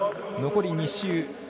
残り２周。